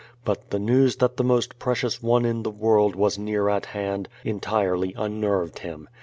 But the news that the most precious one in the world was near at hand entirely unnerved him.